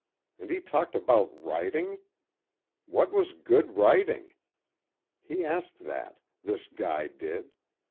And he talked about writing! What was good writing? He asked that, this guy did!